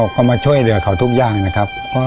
ก็มาช่วยเหลือเขาทุกอย่างนะครับ